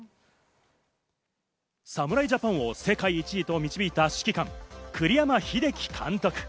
侍ジャパンを世界一へと導いた指揮官・栗山英樹監督。